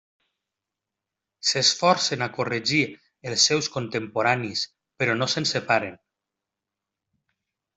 S'esforcen a corregir els seus contemporanis, però no se'n separen.